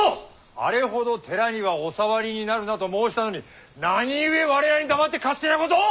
あれほど寺にはお触りになるなと申したのに何故我らに黙って勝手なことを！